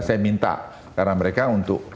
saya minta karena mereka untuk